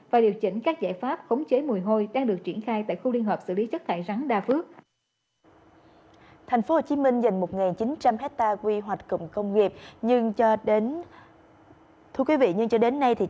và điều chỉnh các giải pháp khống chế mùi hôi đang được triển khai tại khu liên hợp xử lý chất thải rắn đa phước